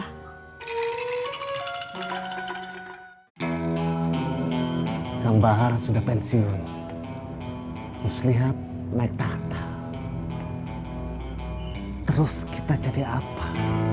hai gambar sudah pensiun hai terus lihat naik takta terus kita jadi apa